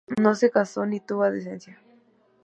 No se casó ni tuvo descendencia.